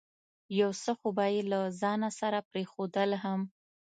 یو څه خو به یې له ځانه سره پرېښودل هم.